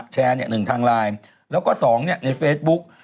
แชร์หนึ่งทางไลน์แล้วก็สองในเฟซบุ๊ค